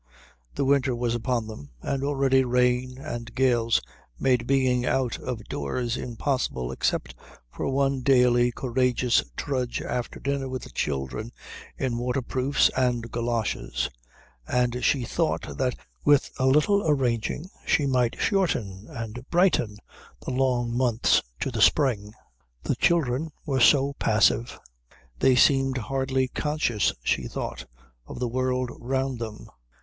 The winter was upon them, and already rain and gales made being out of doors impossible except for one daily courageous trudge after dinner with the children in waterproofs and goloshes, and she thought that with a little arranging she might shorten and brighten the long months to the spring. The children were so passive. They seemed hardly conscious, she thought, of the world round them.